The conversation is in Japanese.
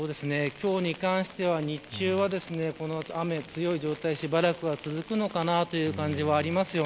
今日に関しては、日中は雨が強い状態しばらく続くのかなという感じはあります。